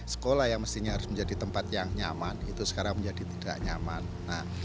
sekolah yang mestinya harus menjadi tempat yang nyaman itu sekarang menjadi tidak nyaman